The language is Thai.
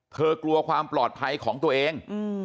กลัวความปลอดภัยของตัวเอง